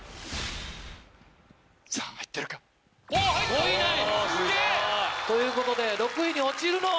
さぁ入ってるか？ということで６位に落ちるのは？